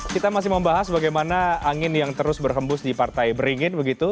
kita masih membahas bagaimana angin yang terus berhembus di partai beringin begitu